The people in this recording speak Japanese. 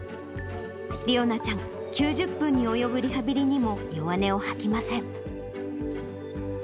理央奈ちゃん、９０分に及ぶリハビリにも弱音を吐きません。